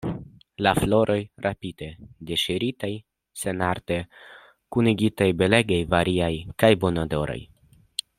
La floroj, rapide deŝiritaj, senarte kunigitaj, belegaj, variaj kaj bonodoraj.